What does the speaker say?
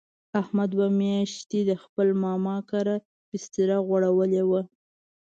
احمد دوه میاشتې د خپل ماما کره بستره غوړولې وه.